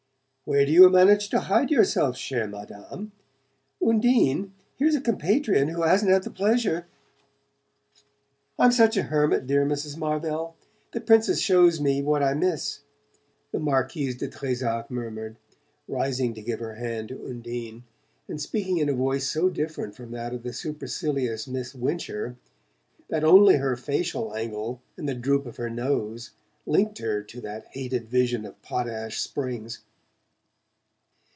Where do you manage to hide yourself, chere Madame? Undine, here's a compatriot who hasn't the pleasure " "I'm such a hermit, dear Mrs. Marvell the Princess shows me what I miss," the Marquise de Trezac murmured, rising to give her hand to Undine, and speaking in a voice so different from that of the supercilious Miss Wincher that only her facial angle and the droop of her nose linked her to the hated vision of Potash Springs.